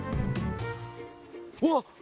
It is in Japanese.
うわっ！